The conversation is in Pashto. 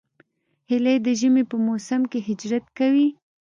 هیلۍ د ژمي په موسم کې هجرت کوي